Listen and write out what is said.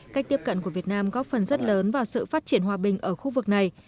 cách tiếp cận của việt nam góp phần rất lớn vào sự phát triển hòa bình ở khu vực này